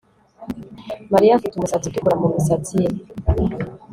Mariya afite umusatsi utukura mumisatsi ye